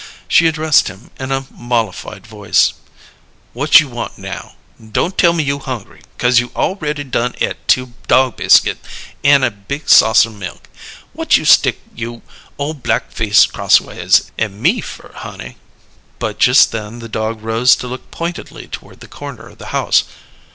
She addressed him in a mollified voice: "Whut you want now? Don' tell me you' hungry, 'cause you awready done et two dog biskit an' big saucer milk. Whut you stick you' ole black face crossways at me fer, honey?" But just then the dog rose to look pointedly toward the corner of the house.